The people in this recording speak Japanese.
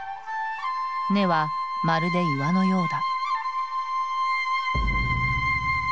根はまるで岩のようだ。